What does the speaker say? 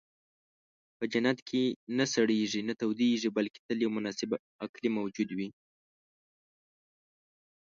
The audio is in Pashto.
په جنت کې نه سړېږي، نه تودېږي، بلکې تل یو مناسب اقلیم موجود وي.